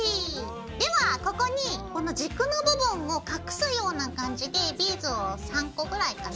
ではここにこの軸の部分を隠すような感じでビーズを３個ぐらいかな。